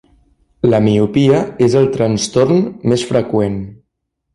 La miopia és el trastorn més freqüent.